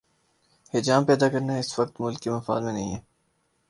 ہیجان پیدا کرنا اس وقت ملک کے مفاد میں نہیں ہے۔